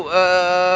ini sangat indah ruru